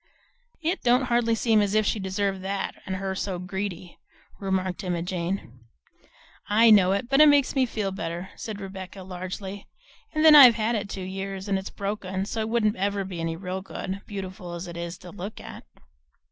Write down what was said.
"It don't hardly seem as if she deserved that, and her so greedy," remarked Emma Jane. "I know it, but it makes me feel better," said Rebecca largely; "and then I've had it two years, and it's broken so it wouldn't ever be any real good, beautiful as it is to look at."